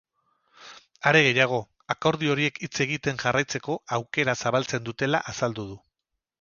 Are gehiago, akordio horiek hitz egiten jarraitzeko aukera zabaltzen dutela azaldu du.